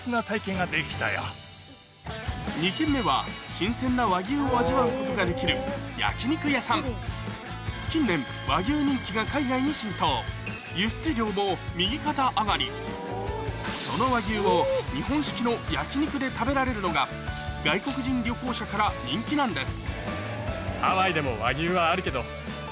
新鮮な和牛を味わうことができる近年和牛人気が海外に浸透輸出量も右肩上がりその和牛を日本式の焼き肉で食べられるのが外国人旅行者から人気なんです